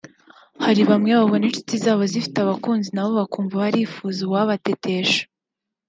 Hari bamwe babona ishuti zabo zose zifite abakunzi nabo bakumva barifuza uwabatetesha